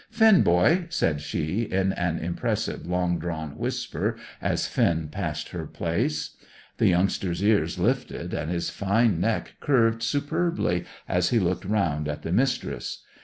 "Finn, boy!" said she, in an impressive, long drawn whisper, as Finn passed her place. The youngster's ears lifted, and his fine neck curved superbly as he looked round at the Mistress.